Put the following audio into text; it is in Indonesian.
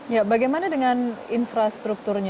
ya bagaimana dengan infrastrukturnya